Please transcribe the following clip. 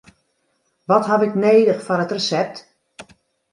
Wat haw ik nedich foar it resept?